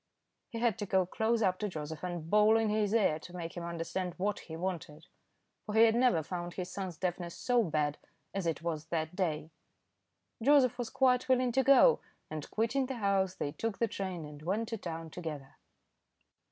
He had to go close up to Joseph and bawl in his ear to make him understand what he wanted, for he had never found his son's deafness so bad as it was that day. Joseph was quite willing to go, and quitting the house, they took the train and went to town together.